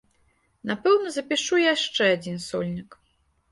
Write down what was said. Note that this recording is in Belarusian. Напэўна, запішу яшчэ адзін сольнік.